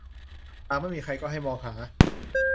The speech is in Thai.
หากไม่มีใครก็ให้มองหา